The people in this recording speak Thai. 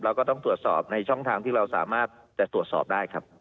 ก็ต้องตรวจสอบในช่องทางที่เราสามารถจะตรวจสอบได้ครับ